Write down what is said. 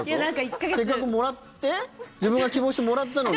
せっかくもらって自分が希望して、もらったのに？